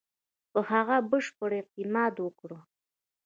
په هغه بشپړ اعتماد وکړ.